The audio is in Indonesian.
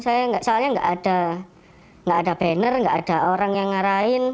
soalnya gak ada banner gak ada orang yang ngarahin